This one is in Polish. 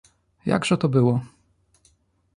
Jakże to było?…